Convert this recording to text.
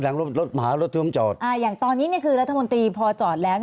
อย่างตอนนี้เนี่ยคือรัฐมนตรีพอจอดแล้ว